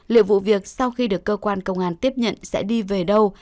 liệu vụ việc sau khi được cơ quan công an tiếp nhận sẽ đi về đâu